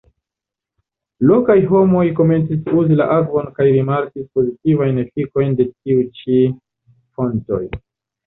Lokaj homoj komencis uzi la akvon kaj rimarkis pozitivajn efikojn de tiuj ĉi fontoj.